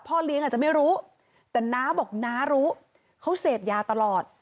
เลี้ยงอาจจะไม่รู้แต่น้าบอกน้ารู้เขาเสพยาตลอด